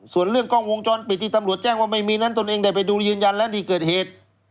ส่วนเรื่องกล้องวงจรปิดที่ตำรวจแจ้งว่าไม่มีนั้นตนเองได้ไปดูยืนยันและที่เกิดเหตุ